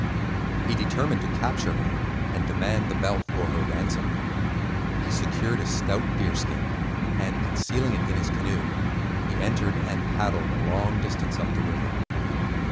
He determined to capture her and demand the belt for her ransom. He secured a stout deerskin, and concealing it in his canoe, he entered and paddled a long distance up the river.